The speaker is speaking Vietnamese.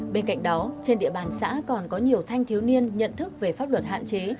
bên cạnh đó trên địa bàn xã còn có nhiều thanh thiếu niên nhận thức về pháp luật hạn chế